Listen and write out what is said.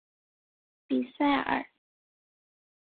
比塞尔。